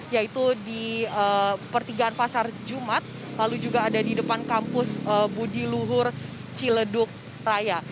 yaitu di pertigaan pasar jumat lalu juga ada di depan kampus budi luhur ciledug raya